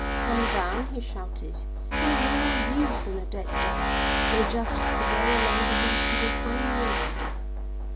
"Come down," he shouted. "You're no more use than a dead dog. We'll just have to go along the reef till we find the opening."